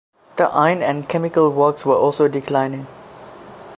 The iron and chemical works were also declining.